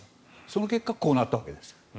その結果、こうなったわけです。